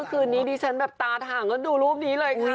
ก็ฉันแบบตาถั่งดูรูปนี้เลยค่ะ